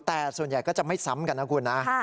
แต่ส่วนใหญ่ก็จะไม่ซ้ำกันนะคุณนะ